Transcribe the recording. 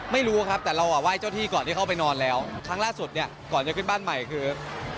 ไม่รู้ครับแต่เราอ่ะไห้เจ้าที่ก่อนที่เข้าไปนอนแล้วครั้งล่าสุดเนี่ยก่อนจะขึ้นบ้านใหม่คือ